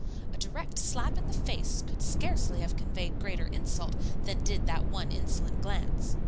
A direct slap in the face could scarcely have conveyed greater insult than did that one insolent glance.